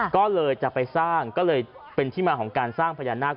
ก็เลยจะไปสร้างก็เลยเป็นที่มาของการสร้างพญานาค